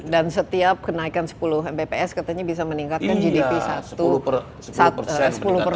dan setiap kenaikan sepuluh mbps katanya bisa meningkatkan gdp satu